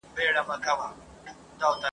پر هوښ راغی ته وا مړی را ژوندی سو ..